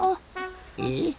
えっ？